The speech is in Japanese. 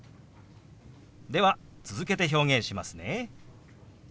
では続けて表現しますね。